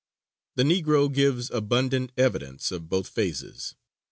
The Negro gives abundant evidence of both phases.